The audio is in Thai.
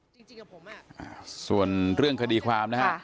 จริงกับผมส่วนเรื่องคดีความนะฮะ